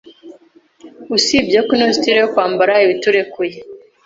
Usibye ko ino style yo kwambara ibiturekuye